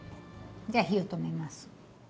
じゃ火を止めます。